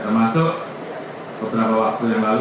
termasuk beberapa waktu yang lalu